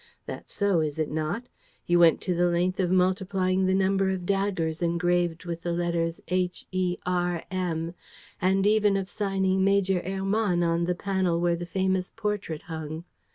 That's so, is it not? You went to the length of multiplying the number of daggers engraved with the letters H, E, R, M and even of signing 'Major Hermann' on the panel where the famous portrait hung.